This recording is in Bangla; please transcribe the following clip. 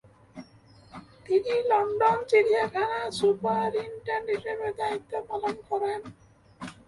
তিনি লন্ডন চিড়িয়াখানার সুপারিন্টেন্ডেন্ট হিসেবে দায়িত্ব পালন করেন।